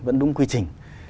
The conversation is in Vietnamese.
vẫn đúng quy trình